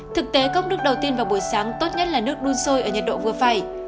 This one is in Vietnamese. thực tế cốc nước đầu tiên vào buổi sáng tốt nhất là nước đun sôi ở nhiệt độ vừa phải